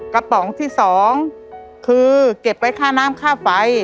ป๋องที่๒คือเก็บไว้ค่าน้ำค่าไฟ